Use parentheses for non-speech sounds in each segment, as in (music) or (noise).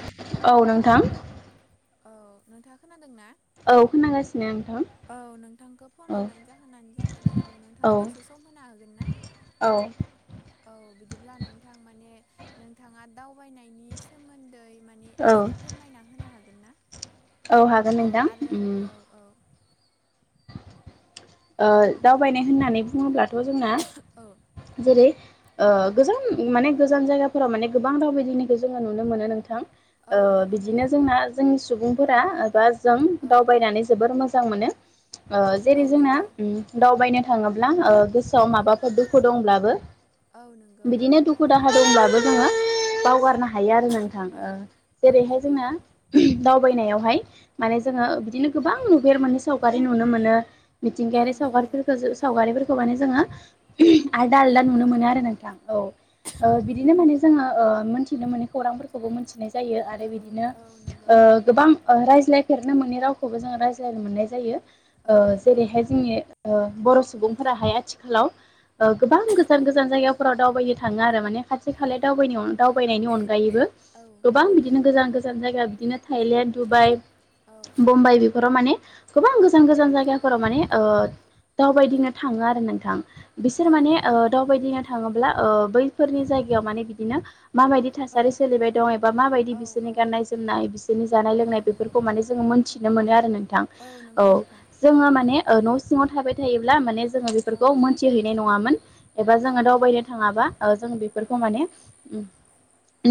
हेल' औ नोंथां औ नोंथाङा खोनादों ना? औ खोनागासिनो नोंथां औ नोंथांखौ फन औ हरनायनायनि जाहोनानो जाहैबाय औ नोंथाङा दसे सम होनो हागोन ना? औ औ बिदिब्ला नोंथां माने नोंथाङा दावबायनायनि सोमोन्दै माने औ एसे फोरमायना होनो हागोन ना‌? औ हागोन औ नोंथां आरो उम औ औ (inaudible) ओ दावबायनाय होननानै बुंङोब्लाथ' जोंना औ जेरै ओ गोजान माने गोजान जायगाफोराव माने गोबां दावबायायदिनायखौ जोंङो नुनो मोनो नोंथां औ ओ नंगौ बिदिनो नोंथां जोंना जोंनि सुबुंफोरा एबा जों औ दावबायनानै जोबोर मोजां मोनो ओ जेरै- औ जोंना नंगौ दावबायनो थांङोब्ला गोसोआव औ माबाफोर दुखु दंब्लाबो औ नों बिदिनो दुखु-दाहा दंब्लाबो जोङो बावगारनो हायो आरो नोंथां औ ओ औ जेरैहाय नंगौ जोंना ओम दावबायनायावहाय माने जोंङो बिदिनो गोबां नुफेर मोनो सावगारि नुनो मोनो औ मिथिंगायारि नंगौ सावगारिफोरखौ सावगारिफोरखौ माने जोंङो औ आलदा-आलदा औ नुनो मोनो आरो नोंथां औ ओ नंगौ बिदिनो नोंथां माने जोंङो ओ मोनथिनो मोनो खौरांफोरखौबो मिथिनाय जायो औ आरो बिदिनो औ नंगौ ओ गोबां ओ रायज्लायफेरनो मोनै रावखौबो जोंङो रायज्लायनो मोननाय जायो औ ओ नंगौ जेरैहाय जोंनि ओ बर' सुबुंफोराहाय आथिखालाव ओ गोबां गो जान औ गोजान जायगाफोराव दावबायनो थांङो आरो माने खाथि खाले दावबायनायाव दावबायनायनि अनगायैबो औ गोबां नंगौ बिदिनो गोजान-गोजान जायगा बिदिनो थाइलेण्ड' डुबाइ औ बम्बाइ बेफोराव माने गोबां औ गोजान-गोजान जायगा फोराव माने ओ दावबायदिंनो थांङो आरो नोंथां बिसोर औ माने नंगौ ओ नोंथां दावबायदिनो थांङोब्ला ओ औ बैफोरनि जायगायाव माने बिदिनो ओ माबायदि थासारि सोलिबाय दं एबा माबायदि औ बिसोरनि औ गाननाय- जोमनाय बिसोरनि औ जानाय-लोंनाय नंगौ बेफोरखौ माने जोंङो मोनथिनो मोनो आरो नों औ नंगौ नोंथां जोङो माने ओ न' सिंआव थाबाय थायोब्ला माने जोङो औ बेफोरखौ मोनथिहैनाय नङामोन एबा औ जोंङो नंगौ दावबायनो थाङाबा ओ जों बेफोरखौ औ माने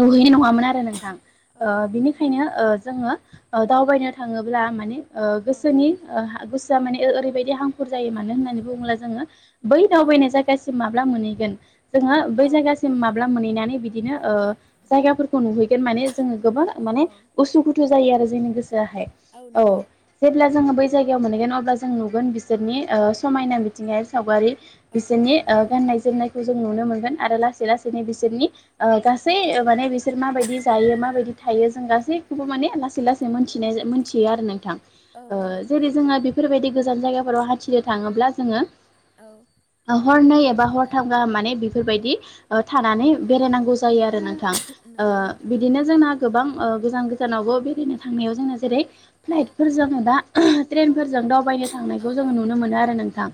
नुहैनाय नंङामोन आरो नोंथां औ ओ नंगौ नोंथां बिनिखायनो ओ जोंङो दावबायनो थांङोब्ला माने ओ औ नि ओ गोसोआ माने ओरैबायदि हांखुर जायो मानो औ होननानै बुंङोब्ला जोंङो बै औ दावबायनाय जायगासिम माब्ला मोनहैगोन जोंङो बै जायगासिम माब्ला मोनहैनानै बिदिनो ओ औ जायगाफोरखौ नुहैगोन माने जोङो गोबां औ माने उसु खुथु उसु-खुथु आरो जोंनि गोसाआहाय औ जेब्ला जों बै जागायाव मोनहैगोन अब्ला जों जों नुगोन बिसोरनि ओ समायना मिथिंगायारि सावगारि औ औ बिसोरनि ओ नंगौ गाननाय-जोमनाय जों नुनो मोनगोन आरो लासै लासैनो बिसोरनि ओ गासै औ माने बिसोर माबायदि औ जायो नंगौ माबायदि था हायै जों गासैखौबो मोने लासै लासै मोन्थिनाय मोन्थियो आरो नोंथां औ नंगौ जेरै नोंथां जोङो बेफोरबायदि गोजान जायगाफोराव हान्थिनो थाङोब्ला जोङो औ हरनै एबा हरथाम गाहाम माने बेफोरबायदि ओ थानानै औ बेरायनांगौ जायो आरो नोंथां ओ नंगौ नोंथां नंगौ बिदिनो जोंना गोबां ओ गोजान गोजानावबो बेरायनो थांनायाव जोंङो जेरै- औ फ्लाइटफोर जोंङो एबा ट्रेनफोरजों दावबायनो औ थांनायखौ औ जोंङो नुनो मोनो आरो नोंथां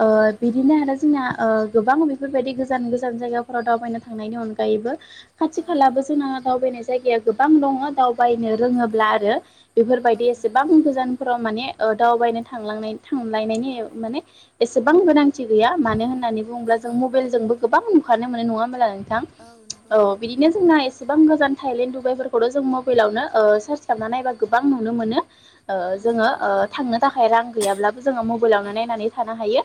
ओ नोंथां बिदिनो आरो जोंना ओ गोबां बेफोरबायदि गोजान-गोजान जायगाफोराव दावबायनो थांनायनि अनगायैबो खाथि औ खालाबो जोंना दावबायनाय जायगाया गोबां दंङ दाव बायनो नंगौ रोंङोब्ला आरो औ बेफोरबायदि नंगौ एसेबां गोजा नोंथां जानफोराव माने ओ दावबायनो थांलांनायनि थांनायनि औ माने एसेबां गोनां थि गैया औ मानो होन्नानै बुंङोब्ला जों नंगौ मबेलजोंबो गोबां नुंखारभनो मोनो नङा होमला नोंथां नंगौ औ नोंथां नंगौ बिदिनो जोंना एसे एसेबां गोजान थाइलेण्ड दुुबायफोरखौथ' जों मबेलावनो सारच खालामना नायबा गोबां नुनो मोनो ओ जोङो नंगौ ओ औ थांनो थाखाय रां गैयाब्लाबो जोङो मबेल नानो औ नायनानै थानो हायो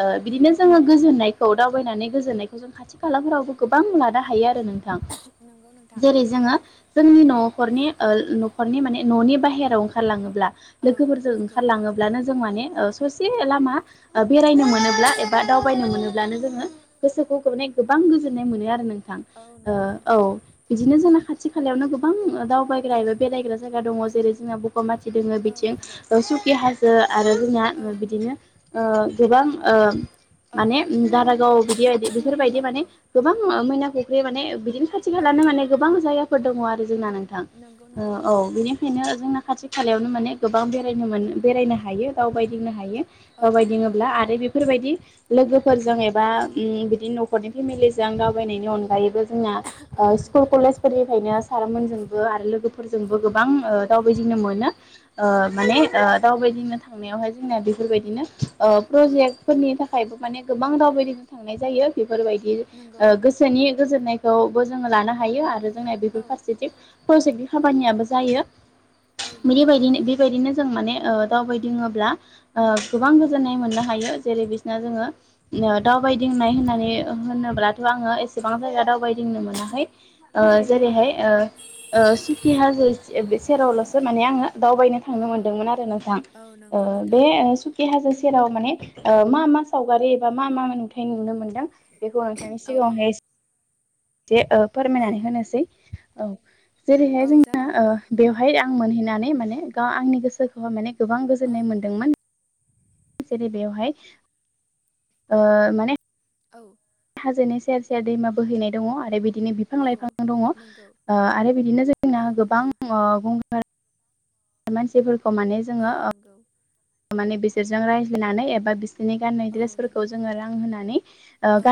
ओ बिदिनो नंगौ जोङो गोजोननायखौ दावबायनानै गोजोननायखौ जों खाथि खालाफोरावबो गोबां लानो हायो आरो नोंथां नंगौ नोंथां जेरै जोङो जोंनि नखरनि नखरनि ओ माने ननि बायह्याराव ओंखारलाङोब्ला औ लोगोफोरजों नंगौ ओंखारलाङोब्लानो जों माने ससे लामा ओ बेरायनो मोनोब्ला एबा दावबायनो औ मोनोब्लानो जोङो गोसोखौ गोबां गोजोननाय मोनो आरो नोंथां नंगौ ओ नोंथां औ बिदिनो जोंना खाथि खालायावनो गोबां दावबायग्रा औ एबा बेरायग्रा जायगा दङ जेरै जोंना बगामाथि जोङो औ बिथिं नंगौ सुखि हाजो आरो जोंना औ बिदिनो ओ गोबां ओ औ माने दारागाव बिदिबायदि बेफोरबायदि औ माने औ गोबां मैना फुख्रि माने बिदिनो खाथि औ खालानो नंगौ माने गोबां जायगाफोर दङ आरो जोंना नों थां नंगौ ओ‌ नोंथां नंगौ औ बिनि खायनो जोंना खाथि खालायावनो माने गोबां बेरायनो मोन बेरायनो हायो दावबायदिंनो हायो औ नंगौ दावदिङोब्ला आरो बेफोरबायदि लोगोफोरजों एबा औ बिदि नखर नखरनि फेमिलिजों दावबायनायनि अनगायैबो जोंना औ ओ स्कुल नंगौ कलेजफोरनिफ्रायनो नंगौ सारमोनजोंबो आरो लोगोफोरजोंबो औ गोबां ओ दावबायदिंनो मोनो ओ औ माने नंगौ ओ थारैनो दावबायदिंनो थांनायावहाय जोंना बेफोरबायदिनो ओ औ प्रजेक्टफोरनि थाखायबो माने गोबां दावबायदिं थांनाय जायो बेफोरबायदि नंगौ ओ गोसोनि गोजोननायखौबो जोङो लानो हायो आरो जोंना औ बेफोर फारसेथिं प्रजेक्टनि औ खामानियाबो जायो औ नंगौ बिदिबायदि बेबायदिनो जों माने दावबायदिङोब्ला ओ औ गोबां गोजोननाय मोननो हायो जेरै बिसना जोङो ओ दावबायदिंनाय होननानै होनोब्लाथ' आङो औ एसेबां जायगा दावबायदिंनो मोनाखै ओ औ नंगौ जेरैहाय नोंथां ओ ओ सुखि हाजो औ सेरावल'सो माने आङो दावबायनो औ थांनो मोनदोंमोन आरो नोंथां औ नंगौ ओ बे नोंथां सुकि हाजो सेराव माने ओ मा मा सावगारि एबा मा मा नुथाय नुनो मोनदों बेखौ नोंथांनि औ सिगाङावहाय‌ एसे जे ओ औ फोरमायनानै होनोसै औ औ जेरैहाय जोंना जागोन ओ नोंथां बेव बेहाय आं मोनहैनानै माने गाव आंनि गोसोखौहाय माने गोबां औ गोजोननाय मोनदोंमोन। जेरै बेवहाय ओ माने औ हाजोनि सेर सेर दैमा बोहैनाय दंङ आरो बिदिनो बिफां औ लाइफां दंङ नंगौ आरो बिदिनो जोंना औ गोबां नंगौ ओ मानसिफोरखौ माने औ जोंङो ओ नंगौ माने बिसोरजों रायज्लायनानै एबा बि बिनि गाननाय औ नंगौ द्रेसफोरखौ जोङो लांहोनानै औ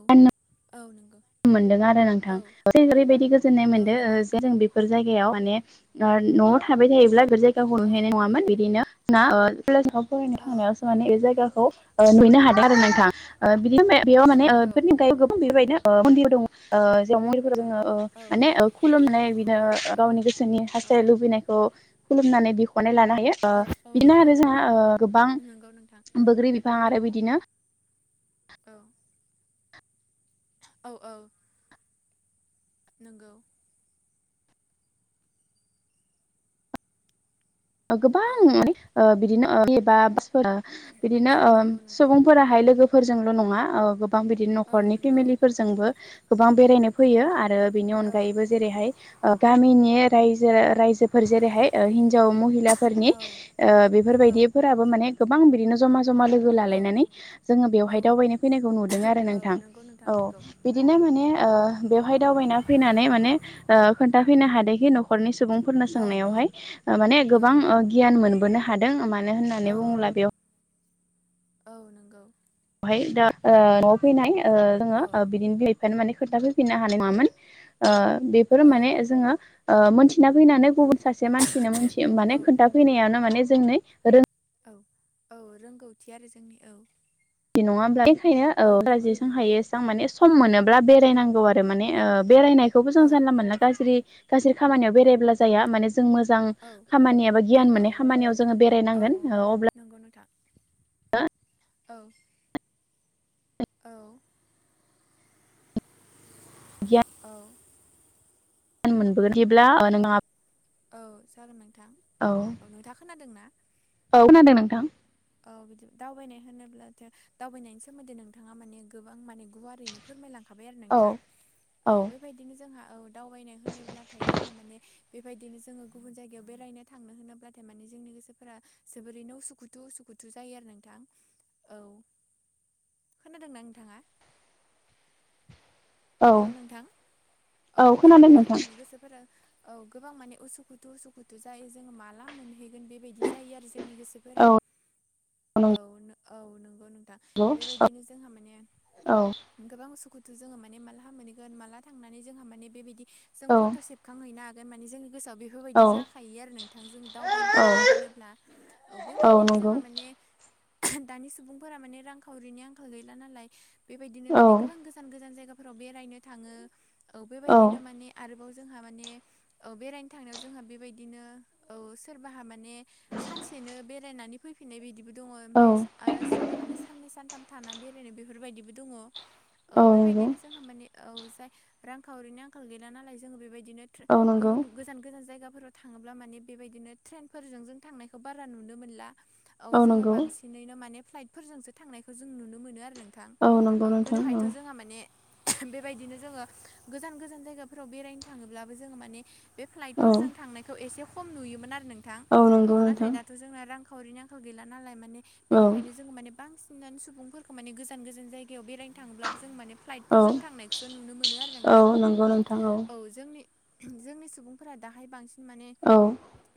औ नोंगौ मोनदों आरो नोंथां जे ओरैबायदि गोजोननाय औ मोनदो ओ नंगौ नोंथां जे जों बे बेफोर जायगायाव माने ओ न'आव थाबाय थायोब्ला बेफोर जायगाखौ औ नुहैनाय नङामोन बिदिनो ना केजाव फरायनो औ थांनायावसो माने बे जायगाखौ ओ नुहैनो हादों (unintelligible) औ फोर‌ नंगौ जोङो औ ओ औ माने खुुलुमनानै बिदिनो गावनि गोसोनि औ हास्थायनाय लुबैनायखौ खुलुमनानै बिख'नाय लानो हायो ओ औ औ बिदिनो नंगौ आरो जोंहा गोबां नंगौ नोंथां बोग्रि दा आरो बिदिनो औ। औ औ। नोंगौ। गोबां औ माने ओ बिदिनो ओ एबा बिदिनो ओ नंगौ नोंथां सुबुंफोराहाय लोगोफोरजोंल' नङा ओ गोबां बि बिनो औ न'खरनि नंगौ फेमिलिफोरजोंबो औ गोबां बेरायनो औ फैयो आरो बिनि औ अनगायैबो जेरैहाय ओ गामिनि रायजो रायजोफोर जेरैहाय ओ हिनजाव महि सिख्लाफोरनि औ ओ नंगौ बेफोरबायदिफ्राबो माने गोबां बिनो जमा जमा लो गो औ लालायनानै जोंङो बेयावहाय औ दावनाय फैनायखौ नुदों आरो औ नोंथां। नंगौ नोंथां औ। नंगौ बिदिनो माने ओ बेवहाय दावबायना फैनानै माने ओ खोन्थाफैनो हादोंखि न'खरनि सुबुंफोरनो औ औ सोंनायावहाय ओ माने औ गोबां ओ गियान मोनबोनो हादों मानो होननानै औ बुङोब्ला बेयाव औ नोंगौ। बेहाय दा ओ न'आव फैनाय ओ जोङो औ ओ बिदिनो बेयनो मान खोथा फैफिननो हानाय मामोन ओ बेफोर औ माने जोंङो ओ मोनथि ना फैनानै गुबुन सासे मानसि औ माने खोन्था फैनायावनो माने जोंनि रों औ औ रोंगौथि आरो जोंनि औ। बे नङाबा बेखायनो औ नंगौ जेसां नोंथां हायो नंगौ एसेबां माने सम मोनोब्ला बेरायनां गौ आरो माने ओ बेरायनायखौबो जों औ जानला मोनला गाज्रि गाज्रि खामानियाव बेरायब्ला जाया माने जों मोजां औ खामानि बा औ गियान औ मोननाय नंगौ खामानियाव जोंङो बेरायनांगोन औ अब्ला नंगौ नोंथां, औ। औ औ। मोनबोगोन बिदिब्ला ओ नोंथांआ औ जागोन नोंथां। औ। औ नोंथा खोनादों ना? औ खोनादों नोंथां। औ बिदि दावबायनाय होनोब्लाथ' दावबायनायनि सोमोन्दै नोंथाङा माने गोबां माने गुवारैनो फोरमायलांखाबाय आरो औ नोंथां, औ बेबायदिनो जोंहा औ दावबायनाय होनोब्लाथाय जोंहा माने बेबायदिनो जोंङो गुबुन जायगायाव बेरायनो थांनो होनोब्लाथाय माने जोंनि गोसोफोरा जोबोरैनो उसुखुथु उसु खुथु जायो आरो नोंथां, औ। खोनादों ना, नोंथांङा? हेल' औ नोंथां औ खोनादों बेबायदिनो नोंथां जोंहा माने गोसोफोरा औ गोबां माने उसुखुथु उसुखुथु जायो जोङो माला मोनहै होगोन बेबायदि जायो आरो जोंनि गोसोफोरा औ औ औ नंगौ नोंथां नंगौ औ बेबायदिनो जोंहा माने गोबां उसुखुथु जोंङो माने मालाहा मोनहगोन माला थांनानै जोंहा माने बेबायदि जों औ फट' सेप खां हैनो हागोन मान जोंनि गोसोआव बे औ बेफोरबायदि जाखायो आरो नोंथांजों दावबायनो औ थांनो होनोब्ला औ बेबायदिनो जोंहा माने दानि सुबुंफोरा माने रांखावरिनि आंखाल गैला नालाय बेबायदिनो औ माने गोबां गोजान गोजान जायगाफोराव बेरायनो थांङो। औ बेबायदिनो माने आरोबाव जोंहा माने औ बेरायनो थांनायाव जोंहा बेबायदिनो औ सोरबाहा माने सानसेनो बेरायनानै फैफिननाय बिदिबो दंङ औ ओमफ्राय आरो सोरबा माने साननै सानथाम थाना बेरायनाय बेफोरबायदिबो दंङ। औ बेबायदिनो नंगौ जोंहा माने औ जाय रांखावरिनि आंखाल गैला नालाय जोंङो बेबायदिनो ट्रे औ नंगौ गुबुन गोजान गोजान जायगाफोराव थांङोब्ला माने बेबायदिनो ट्रेनफोरजों जों थांनायखौ बारा नुनो मोनला औ जोंङो बांसि बिदिनैनो माने फ्लाइटफोरजोंसो थांनायखौ जों नुनो मोनो आरो नोंथां औ नंगौ नोंथां गोदोहायथ' जोंहा माने बेबायदिनो जोङो गोजान-गोजान जायगाफोराव बेरायनो थाङोब्लाबो जोङो माने बे औ फ्लाइटफोरजों थांनायखौ एसे खम नुयोमोन आरो नोंथां औ नाथाय दाथ' जोंना रां खावरिनि आंखाल गैला नालाय माने औ बेनिखायनो जोङो माने बांसिन फिननानै सुबुंफोरखौ माने गोजान-गोजान जायगायाव बेरायनो थाङोब्ला जों माने औ फ्लाइटफोरजों थांनायखौसो नुनो मोनो आरो औ नोंथां नंगौ नोंथां औ जोंनि जोंनि सुबुंफोरा दाहाय बांसिन माने औ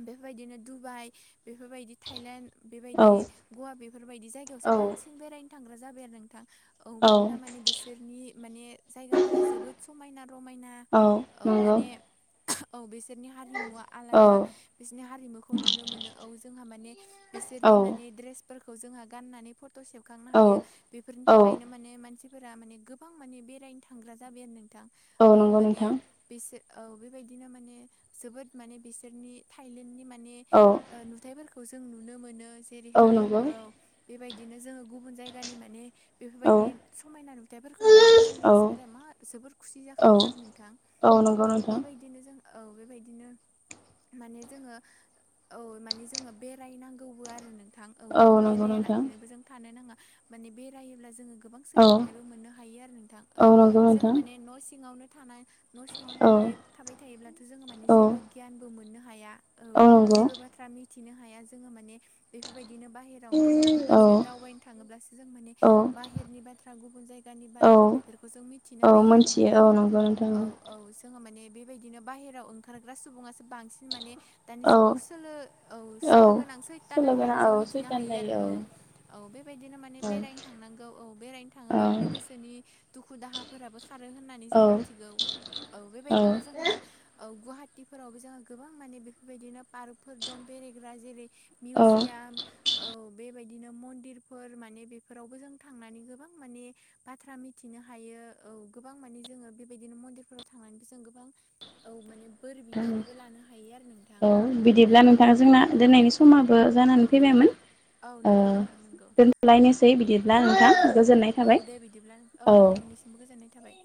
बेफोरबायदिनो दुबाइ बेफोरबायदि थाइलेण्ड औ बेबायदि गवा बेफोरबायदि औ जायगायावसो बांसिन बेरायनो थांग्रा जाबाय आरो नोंथां औ मानोना माने बिसोरनि माने जायगाफोरा जोबोद समायना रमायना औ माने औ बिसोरनि हारिमुवा औ आलादा बिसोरनि हारिमुखौ नुनो मोनो औ जोंहा माने औ बिसोरनि माने ड्रेसफोरखौ जोंहा गाननानै फट' सेबखांनो हायो औ बेफोरनि थाखायनो माने मानसि फोरा माने गोबां माने बेरायनो थांग्रा जाबाय आरो नोंथां औ नंगौ माने नोंथां बिसोर औ बेबायदिनो माने जोबोद माने बिसोरनि थाइलेण्डनि माने औ ओ नु नुथायफोरखौ जों नुनो मोनो जेरैहाय औ बेबायदिनो जोङो गुबुन जायगानि माने औ बेफोरबायदि समायना नुथायफोरखौ नुयोब्ला जोंनि औ गोसोफोरा मा जोबोर खुसि जाखाङो औ आरो नोंथां औ नोंगौ औ बेबायदिनो जों औ बेबायदिनो माने जोङो औ माने जोङो बेरायनांगौबो आरो नोंथां औ नंगौ नोंथां बेरायालासेनोबो जों थानो नाङा माने बेरायोब्ला जोङो गोबां औ सोलोंथाइबो मोननो हायो आरो नोंथां औ नंगौ जोङो नोंथां माने न' सिङावनो थानाय न' सिङावनो औ थायो थाबाय थायोब्लाथ' जोङो मानि औ जेबो गियानबो मोननो हाया औ जेबो बा बाथ्रा मिथिनो हाया जोङो माने बेफोर बायदिनो बाहेर राव औ ओंखारलाङोब्लासो दावबायनो थाङोब्लासो जों माने औ बाहेरनि बाथ्रा गुबुन जायगानि औ बारहावा बेफोरखौ जों मि औ मोनथियो औ नंगौ नोंथां औ औ जोङो माने बेबायदिनो बाहेराव ओंखारग्रा सुबुङासो बांसिन माने दानि औ जुगाव सोलो औ सोलो गोनां सैथान सल' गोनां होननानै औ जों मिथिनो सैथान हायो आरो जायो औ औ-औ बेबायदिनो माने औ बेरायनो थांनांगौ औ बेरायनो था औ थाङोब्ला माने गोसोनि दुखु दाहाफोराबो खारो होननानै जों औ मिथिगौ औ बेबायदिनो जोंहा ओ गुवाहाटिफोरावबो जोंहा गोबां माने बेफोरबायदिनो पार्कफोर दं बेरायग्रा जेरै औ औ मिउजियाम औ बेबायदिनो मन्दिरफोर माने बेफोरावबो जों थांनानै गोबां माने बाथ्रा मिथिनो हायो औ गोबां माने जोङो बेबायदिनो मन्दिरफोराव थांनानैबो जों गोबां औ माने बोर बिनानैबो लानो हायो आरो नोंथां औ बिदिब्ला नोंथां बेबायदि जोंना दोननायनि समाबो जानानै फैबायमोन औ ओ नंगौ नोंथां नंगौ दोनथ'लायनोसै बिदिब्ला नोंथां औ गोजोननाय थाबाय औ। बो गोजोननाय थाबाय।